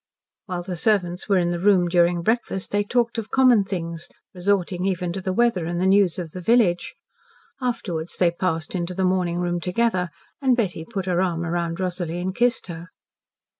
While the servants were in the room during breakfast they talked of common things, resorting even to the weather and the news of the village. Afterwards they passed into the morning room together, and Betty put her arm around Rosalie and kissed her.